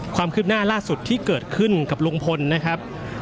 ความคืบหน้าล่าสุดที่เกิดขึ้นกับลุงพลนะครับ